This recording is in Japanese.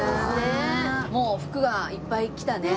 もう福はいっぱい来たね。